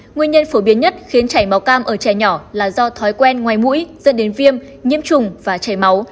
nguyên nhân phổ biến nhất khiến chảy máu cam ở trẻ nhỏ là do thói quen ngoài mũi dẫn đến viêm nhiễm trùng và chảy máu